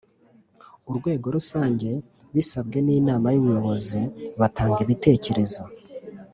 Urwego rusange bisabwe n inama y ubuyobozi batanga ibitekerezo